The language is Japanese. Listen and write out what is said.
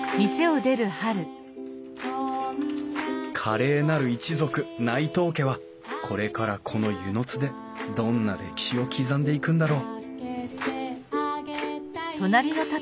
華麗なる一族内藤家はこれからこの温泉津でどんな歴史を刻んでいくんだろう